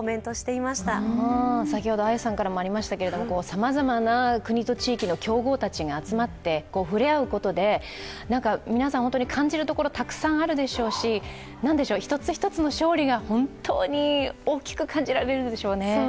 さまざまな国と地域の強豪たちが集まって触れ合うことで皆さん、感じるところたくさんあると思いますし１つ１つの勝利が本当に大きく感じられるでしょうね。